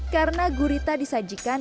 karena gurita disajikan